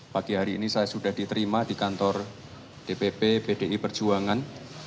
pagi hari ini saya sudah diterima di kantor dpp pdi perjuangan